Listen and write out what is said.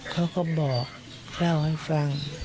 เขาก็บอกเล่าให้ฟัง